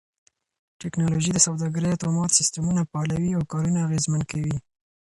ټکنالوژي د سوداګرۍ اتومات سيستمونه فعالوي او کارونه اغېزمن کوي.